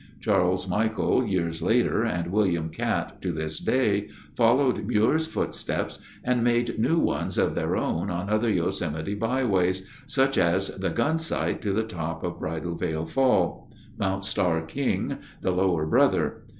Charles Michael, years later, and William Kat, to this day, followed Muir's footsteps and made new ones of their own on other Yosemite byways, such as the Gunsight to the top of Bridalveil Fall, Mount Starr King, the Lower Brother.